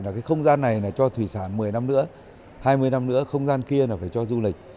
là cái không gian này là cho thủy sản một mươi năm nữa hai mươi năm nữa không gian kia là phải cho du lịch